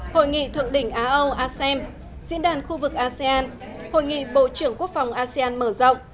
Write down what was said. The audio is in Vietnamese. hội nghị thượng đỉnh á âu asem diễn đàn khu vực asean hội nghị bộ trưởng quốc phòng asean mở rộng